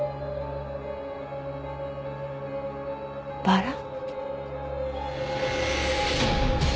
バラ？